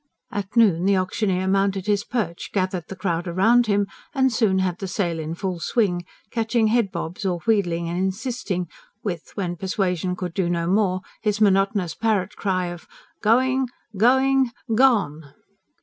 At noon the auctioneer mounted his perch, gathered the crowd round him, and soon had the sale in full swing, catching head bobs, or wheedling and insisting with, when persuasion could do no more, his monotonous parrot cry of: "Going... going ... gone!"